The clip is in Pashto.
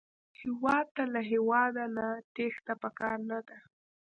هېواد ته له هېواده نه تېښته پکار نه ده